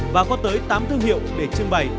và có tới tám thương hiệu để trưng bày